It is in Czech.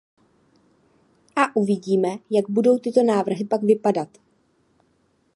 A uvidíme, jak budou tyto návrhy pak vypadat.